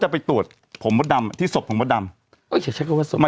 ไปตรวจผมมดดำที่ศพผมมดดำ